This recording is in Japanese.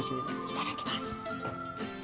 いただきます。